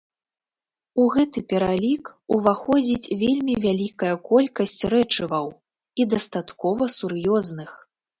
У гэты пералік уваходзіць вельмі вялікая колькасць рэчываў, і дастаткова сур'ёзных.